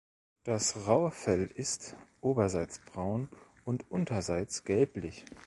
Das raue Fell ist oberseits braun und unterseits gelblich.